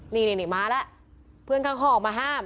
นี่มาแล้วเพื่อนข้างห้องออกมาห้าม